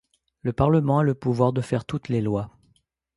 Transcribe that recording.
Le parlement a le pouvoir de faire toutes les lois.